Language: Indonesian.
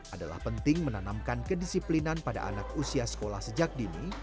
adalah penting menanamkan kedisiplinan pada anak usia sekolah sejak dini